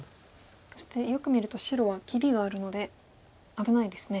そしてよく見ると白は切りがあるので危ないですね。